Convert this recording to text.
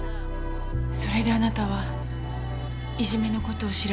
それであなたはいじめの事を調べ始めた。